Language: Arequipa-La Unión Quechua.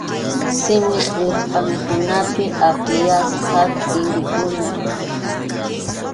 Simip wirpʼankunapi apiyasqa kʼirikuna.